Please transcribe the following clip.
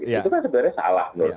itu kan sebenarnya salah